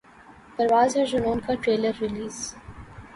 پرواز ہے جنون کا trailer release